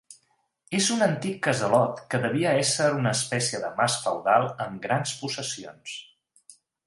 És un antic casalot que devia ésser una espècie de mas feudal amb grans possessions.